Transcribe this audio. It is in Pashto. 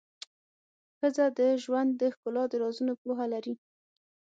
ښځه د ژوند د ښکلا د رازونو پوهه لري.